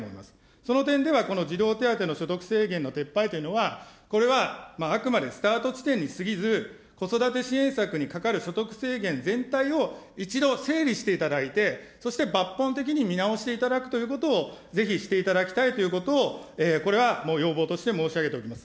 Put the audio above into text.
その点ではこの児童手当の所得制限の撤廃というのは、これはあくまでスタート地点にすぎず、子育て支援策にかかる所得制限全体を、一度整理していただいて、そして抜本的に見直していただくということを、ぜひしていただきたいということを、これはもう要望として申し上げておきます。